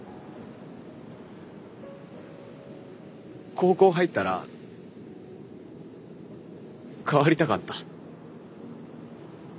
高校入ったら変わりたかった。